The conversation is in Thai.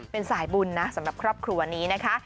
เป็นสายบุญนะสำหรับครอบครัวนี้นะคะ